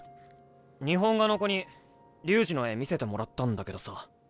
日本画の子に龍二の絵見せてもらったんだけどさ。